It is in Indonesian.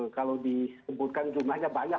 kalau disebutkan jumlahnya banyak